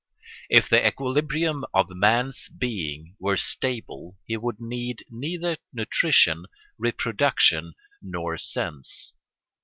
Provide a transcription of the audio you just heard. If the equilibrium of man's being were stable he would need neither nutrition, reproduction, nor sense.